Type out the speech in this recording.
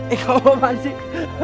eh kamu apaan sih